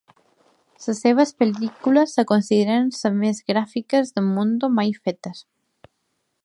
Les seves pel·lícules es consideren les més gràfiques de Mondo mai fetes.